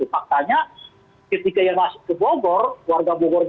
faktanya ketika yang masuk ke bogor